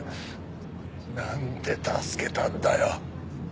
何で助けたんだよ。